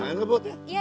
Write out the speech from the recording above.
nangis ngebut ya